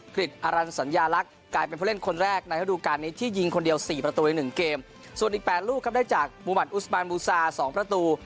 ภิกษ์อารันสัญญาลักษณ์กลายเป็นเพื่อเล่นคนแรกในฮดูการ์นี้ที่ยิงคนเดียว๔ประตูใน๑เกมส่วนอีก๘ลูกครับได้จากมุมันอุสบานบูซา๒ประตู